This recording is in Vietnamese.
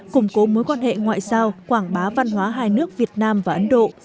củng cố mối quan hệ ngoại giao quảng bá văn hóa hai nước việt nam và ấn độ